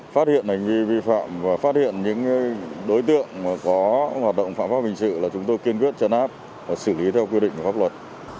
phát hiện hành vi vi phạm và phát hiện những đối tượng có hoạt động phạm pháp hình sự là chúng tôi kiên quyết chấn áp và xử lý theo quy định của pháp luật